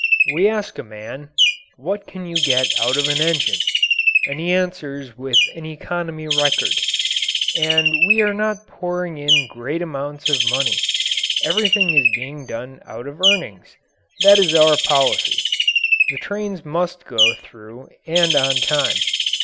We ask a man, "What can you get out of an engine?" and he answers with an economy record. And we are not pouring in great amounts of money. Everything is being done out of earnings. That is our policy. The trains must go through and on time.